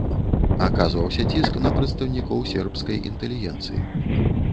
Аказваўся ціск на прадстаўнікоў сербскай інтэлігенцыі.